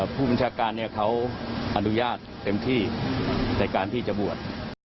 ผู้บัญชาการเขาอนุญาตเต็มที่ในการที่จะบวช